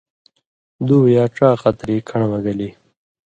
دُو یا ڇا قطری کن٘ڑہۡ مہ گلی۔